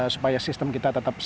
supaya sistem kita tetap